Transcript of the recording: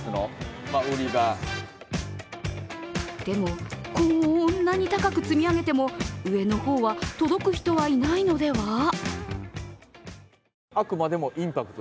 でも、こんなに高く積み上げても上の方は届く人はいないのでは？